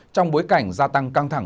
trong bối cảnh gia tăng căng thẳng